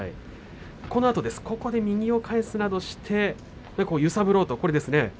そのあとですね右を返すなどして揺さぶろうと。